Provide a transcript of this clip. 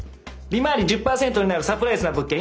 利回り１０％になるサプライズな物件